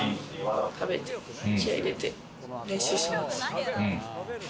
食べて気合い入れて練習します。